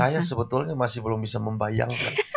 saya sebetulnya masih belum bisa membayangkan